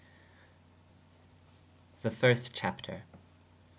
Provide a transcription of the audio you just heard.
The first Chapter.